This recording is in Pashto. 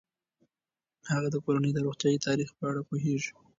هغه د کورنۍ د روغتیايي تاریخ په اړه پوهیږي.